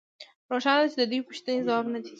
روښانه ده چې د دې پوښتنې ځواب نه دی